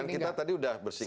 kan kita tadi udah bersikapnya